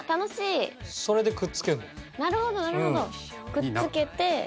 くっつけて。